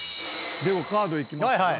ではカードいきます？